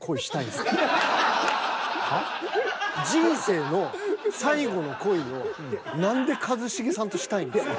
人生の最後の恋を何で一茂さんとしたいんですか？